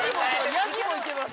ヤギもいけます。